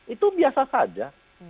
itu biasa saja